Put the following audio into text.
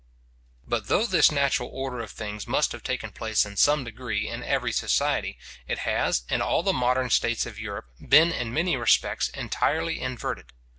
But though this natural order of things must have taken place in some degree in every such society, it has, in all the modern states of Europe, been in many respects entirely inverted.